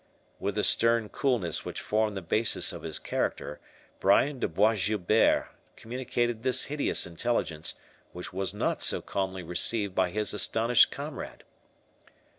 With the stern coolness which formed the basis of his character, Brian de Bois Guilbert communicated this hideous intelligence, which was not so calmly received by his astonished comrade.